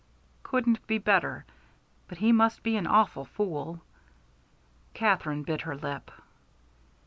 "Couldn't be better! But he must be an awful fool." Katherine bit her lip.